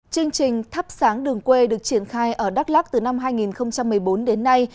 chương trình thắp sáng đường quê được triển khai ở đắk lắc từ năm hai nghìn một mươi bốn đến nay